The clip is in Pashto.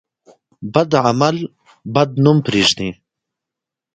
بد عمل بد نوم پرېږدي.